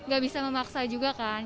gak bisa memaksa juga kan